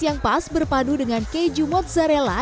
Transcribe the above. yang pas berpadu dengan keju mozzarella